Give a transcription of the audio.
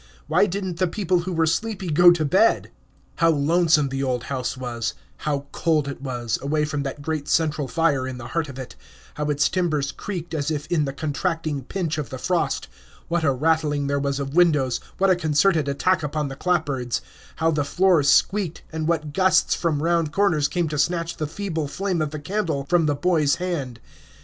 Why did n't the people who were sleepy go to bed? How lonesome the old house was; how cold it was, away from that great central fire in the heart of it; how its timbers creaked as if in the contracting pinch of the frost; what a rattling there was of windows, what a concerted attack upon the clapboards; how the floors squeaked, and what gusts from round corners came to snatch the feeble flame of the candle from the boy's hand.